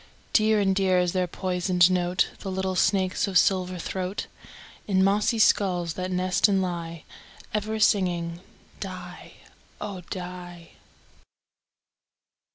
Dear and dear is their poisoned note, The little snakes' of silver throat, In mossy skulls that nest and lie, Ever singing "die, oh! die."